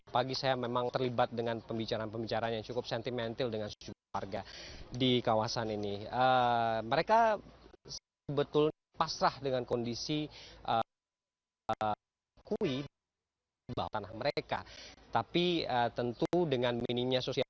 pagi saya memang terlibat dengan pembicaraan pembicaraan yang cukup sentimental dengan suatu warga di kawasan ini